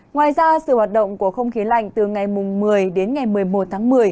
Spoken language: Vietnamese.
ngoài ra sự hoạt động của không khí lạnh từ ngày một mươi đến ngày một mươi một tháng một mươi